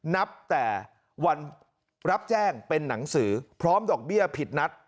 นับแต่วันรับแจ้งเป็นหนังสือพร้อมดอกเบี้ยผิดนัด